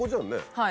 はい。